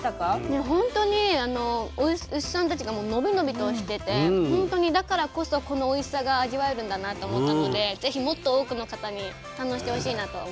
本当に牛さんたちがのびのびとしててだからこそこのおいしさが味わえるんだなと思ったので是非もっと多くの方に堪能してほしいなと思います。